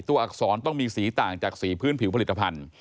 อักษรต้องมีสีต่างจากสีพื้นผิวผลิตภัณฑ์